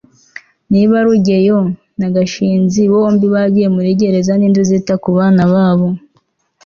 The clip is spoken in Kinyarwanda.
niba rugeyo na gashinzi bombi bagiye muri gereza, ninde uzita ku bana babo? (ck